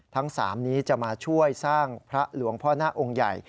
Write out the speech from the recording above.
ทั้ง๓นี้จะมาช่วยสร้างพระหลวงพ่อหน้าองค์ใหญ่